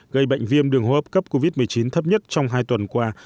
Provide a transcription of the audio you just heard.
gây bệnh viêm đường hô hấp cấp covid một mươi chín thấp nhất trong hai tuần qua